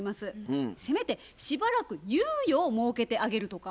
せめてしばらく猶予を設けてあげるとか。